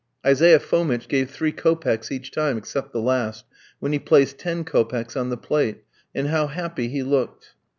Isaiah Fomitch gave three kopecks each time, except the last, when he placed ten kopecks on the plate; and how happy he looked!